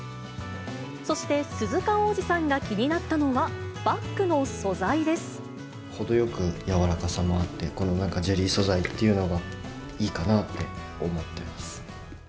そして鈴鹿央士さんが気にな程よく柔らかさもあって、このなんか、ジェリー素材っていうのがいいかなって思ってます。